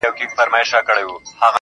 مور چي ژړيږي زوی يې تللی د کلو په سفر